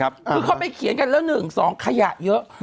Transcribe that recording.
เขาเข้าไปเขียนแล้ว๑๒ขยะเยอะ